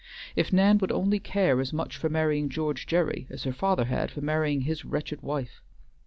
If Nan would only care as much for marrying George Gerry, as her father had for marrying his wretched wife!